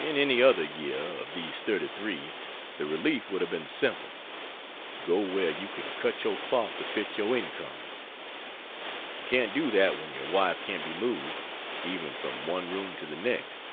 In any other year of these 33 the relief would have been simple: go where you can cut your cloth to fit your income. You can't do that when your wife can't be moved, even from one room to the next.